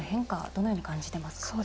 どのように感じていますか？